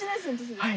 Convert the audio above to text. はい。